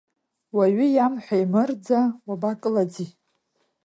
Уаҩы иамҳәа, имырӡа уабакылаӡи?